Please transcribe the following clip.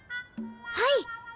はい！